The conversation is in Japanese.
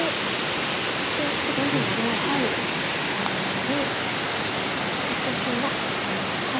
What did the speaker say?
そしてちょっと右辺が危ないということでケイマでそして白はアテ込みました。